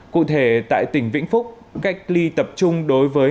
cụ thể tại tỉnh vĩnh phúc cách ly tập trung đối với